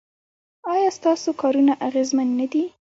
ایا ستاسو کارونه اغیزمن نه دي؟